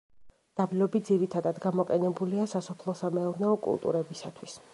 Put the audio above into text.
დაბლობი ძირითადად გამოყენებულია სასოფლო სამეურნეო კულტურებისათვის.